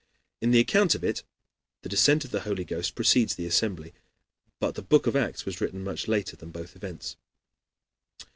(In the account of it, the descent of the Holy Ghost precedes the assembly, but the book of Acts was written much later than both events.)